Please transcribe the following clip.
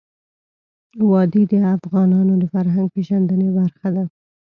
وادي د افغانانو د فرهنګ پیژندني برخه ده.